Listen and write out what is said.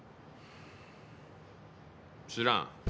知らん。